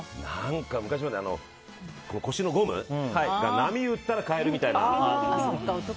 昔はね、腰のゴムが波うったら替えるみたいな。